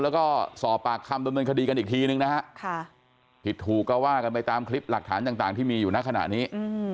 แล้วก็สอบปากคำดำเนินคดีกันอีกทีนึงนะฮะผิดถูกก็ว่ากันไปตามคลิปหลักฐานต่างที่มีอยู่ในขณะนี้